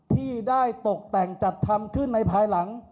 ที่ได้ตกแต่งจัดทำขึ้นในภายหลัง